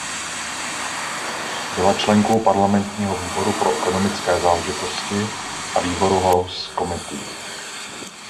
Byla členkou parlamentního výboru pro ekonomické záležitosti a výboru House Committee.